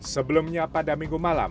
sebelumnya pada minggu malam